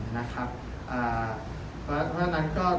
ไม่ว่าเงินล้านอย่างเงิน๑๐ล้าน